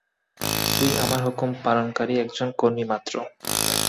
তুই আমার হুকুম পালনকারী একজন কর্মী মাত্র।